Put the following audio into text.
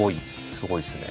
すごいですね。